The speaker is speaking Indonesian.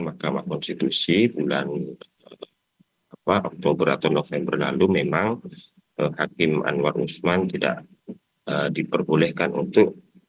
mahkamah konstitusi bulan oktober atau november lalu memang hakim anwar usman tidak diperbolehkan untuk